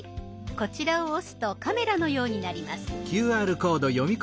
こちらを押すとカメラのようになります。